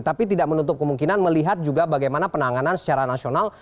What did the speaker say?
tapi tidak menutup kemungkinan melihat juga bagaimana penanganan secara nasional